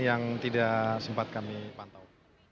yang tidak sempat kami pantau